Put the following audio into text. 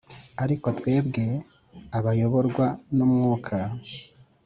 Ariko twebwe abayoborwa n umwuka